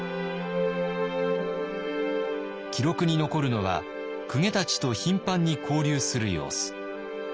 記録に残るのは公家たちと頻繁に交流する様子。